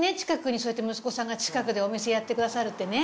そうやって息子さんが近くでお店やってくださるってね。